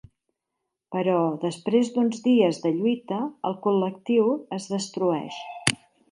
Però, després d'uns dies de lluita, el Col·lectiu es destrueix.